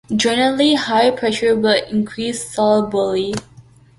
Generally, higher pressure will increase solubility.